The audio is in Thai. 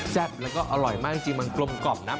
แล้วก็อร่อยมากจริงมันกลมกล่อมนะ